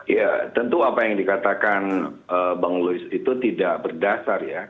ya tentu apa yang dikatakan bang louis itu tidak berdasar ya